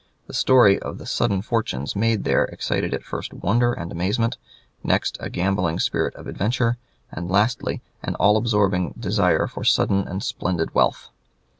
The story of the sudden fortunes made there excited at first wonder and amazement; next, a gambling spirit of adventure; and lastly, an all absorbing desire for sudden and splendid wealth.